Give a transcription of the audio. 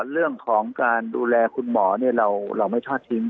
เรื่องของการดูแลคุณหมอเราไม่ทอดทิ้ง